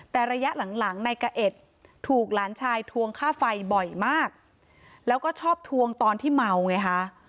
แต่ระยะหลังหลังนายกะเอ็ดถูกหลานชายทวงค่าไฟบ่อยมากแล้วก็ชอบทวงตอนที่เมาไงคะ